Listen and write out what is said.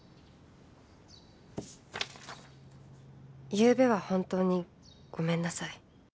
「ゆうべは本当にごめんなさい」